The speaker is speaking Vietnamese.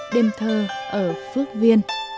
đêm thơ ở phước viên